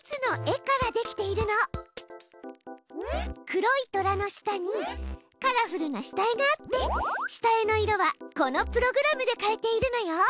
黒いトラの下にカラフルな下絵があって下絵の色はこのプログラムで変えているのよ。